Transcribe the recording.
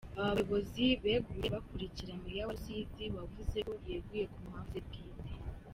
Aba bayobozi beguye bakurikira Meya wa Rusizi wavuze ko yeguye ku mpamvu ze bwite.